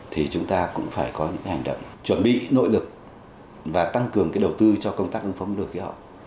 thì chúng ta cũng phải có những hành động chuẩn bị nội lực và tăng cường cái đầu tư cho công tác ứng phó biến đổi khí hậu